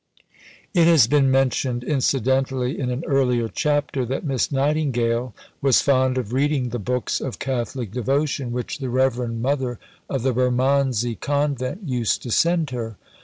It has been mentioned incidentally in an earlier chapter that Miss Nightingale was fond of reading the books of Catholic devotion which the Reverend Mother of the Bermondsey Convent used to send her.